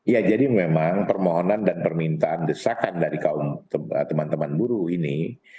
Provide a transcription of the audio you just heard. ya jadi memang permohonan dan permintaan desakan dari kaum teman teman buruh ini